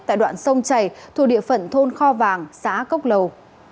tại đoạn sông chảy thuộc địa phận thôn kho vàng xã cốc lầu